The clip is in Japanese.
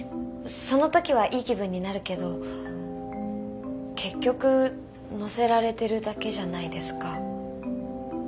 その時はいい気分になるけど結局乗せられてるだけじゃないですか。